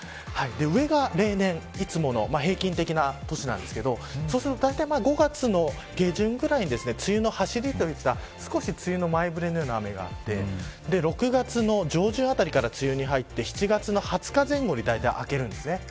上が例年、いつもの平均的な年なんですが５月の下旬ぐらいに梅雨のはしりといった梅雨の前触れのような日があって６月の上旬あたりから梅雨に入って７月の２０日前後に明けるんです。